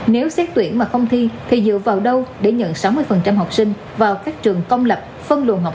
nếu xét tuyển mà không thi thì dựa vào đâu để nhận sáu mươi học sinh vào các trường công lập